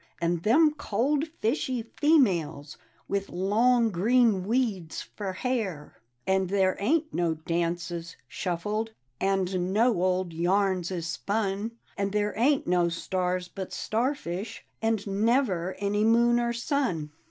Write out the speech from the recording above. And them cold fishy females With long green weeds for hair. D,gt,, erihyGOOgle The Haunted Hour "* And there ain't no dances shuffled, And no old yams is spun, And there ain't no stars but starfish, And never any moon or sun.